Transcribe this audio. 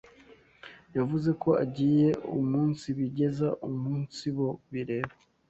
yavuze ko agiye umunsibigeza umunsi bo bireba